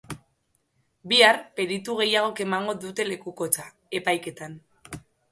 Bihar, peritu gehiagok emango dute lekukotza, epaiketan.